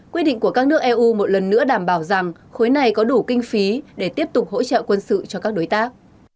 quy định của các nước eu một lần nữa đảm bảo rằng khối này có đủ kinh phí để tiếp tục hỗ trợ quân sự cho các đối tác